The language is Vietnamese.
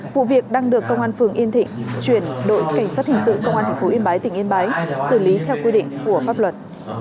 vụ việc đang được công an phường yên thịnh chuyển đội cảnh sát hình sự công an tp yên bái tỉnh yên bái xử lý theo quy định của pháp luật